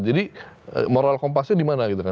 jadi moral kompasnya di mana